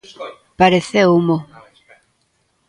Pareceumo.